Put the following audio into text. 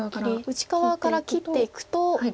内側から切っていくと。